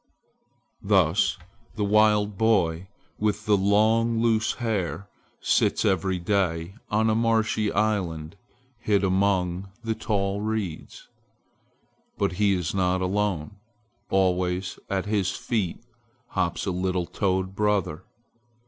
Thus the wild boy with the long, loose hair sits every day on a marshy island hid among the tall reeds. But he is not alone. Always at his feet hops a little toad brother.